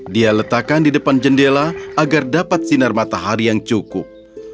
dia letakkan di depan jendela agar dapat sinar matahari yang cukup